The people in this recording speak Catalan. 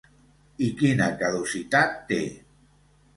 I quina caducitat té?